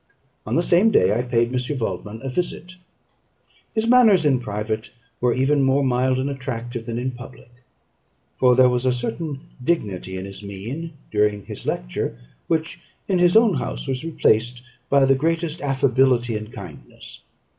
On the same day, I paid M. Waldman a visit. His manners in private were even more mild and attractive than in public; for there was a certain dignity in his mien during his lecture, which in his own house was replaced by the greatest affability and kindness.